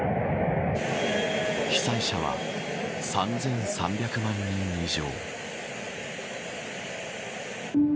被災者は３３００万人以上。